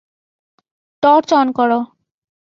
Torch on করো।